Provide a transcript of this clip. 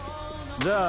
じゃあ。